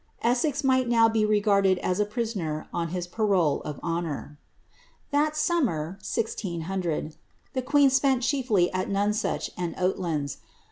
"* Essex might now be regarded as a prisoner on his parole of honour. That summer, (1600,) the queen spent chiefly at Nonsuch and Oat lands.